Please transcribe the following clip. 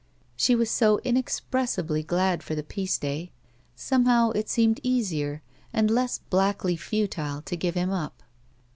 She was so inexpressibly glad for the peace day. Somehow, it seemed easier and less blackly futHe to give him up.